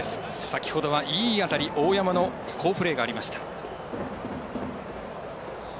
先ほどは、いい当たり大山の好プレーがありました。